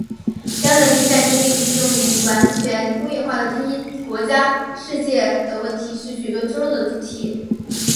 将人民战争应用于完全工业化的第一世界国家的问题是许多争论的主题。